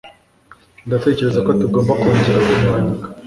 ndatekereza ko tugomba kongera kumwandika.